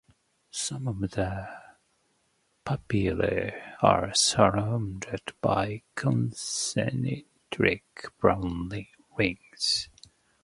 Some of the papillae are surrounded by concentric brown rings.